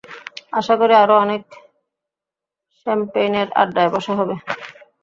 আশাকরি আরো অনেক শ্যম্পেইনের আড্ডায় বসা হবে।